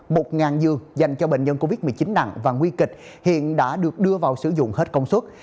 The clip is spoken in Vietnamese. một giường dành cho bệnh nhân covid một mươi chín nặng và nguy kịch hiện đã được đưa vào sử dụng hết công suất